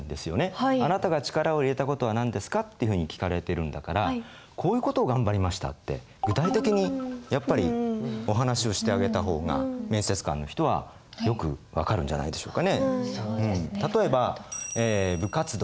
「あなたが力を入れたことは何ですか？」っていうふうに聞かれてるんだからこういう事をがんばりましたって具体的にやっぱりお話をしてあげた方が面接官の人はよく分かるんじゃないでしょうかね。